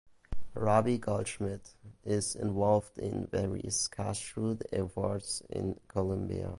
Rabbi Goldschmidt is involved in various Kashrut efforts in Colombia.